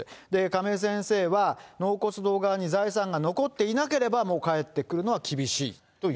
亀井先生は、納骨堂側に財産が残っていなければもう返ってくるのは厳しいと言